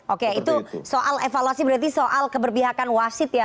oke itu soal evaluasi berarti soal keberpihakan wasit ya